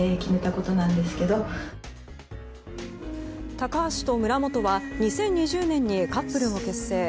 高橋と村元は２０２０年にカップルを結成。